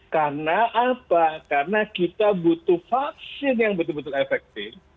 karena apa karena kita butuh vaksin yang betul betul efektif